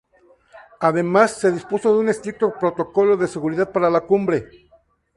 Además, se dispuso de un estricto protocolo de seguridad para la cumbre.